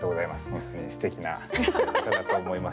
本当にすてきな歌だと思います。